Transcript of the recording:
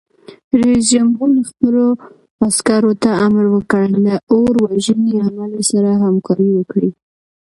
رئیس جمهور خپلو عسکرو ته امر وکړ؛ له اور وژنې عملې سره همکاري وکړئ!